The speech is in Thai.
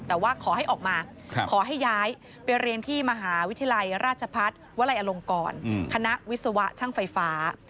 แต่ว่าขอให้ออกมาขอให้ย้ายไปเรียนที่มหาวิทยาลัยราชพัฒน์วลัยอลงกรคณะวิศวะช่างไฟฟ้า